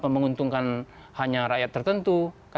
menguntungkan hanya rakyat tertentu